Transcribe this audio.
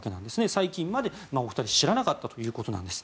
最近までお二人は知らなかったということです。